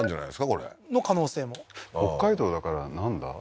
これの可能性も北海道だからなんだ？